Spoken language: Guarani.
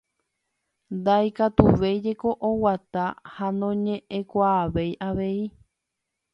Ndaikatuvéi jeko oguata ha noñe'ẽkuaavéi avei.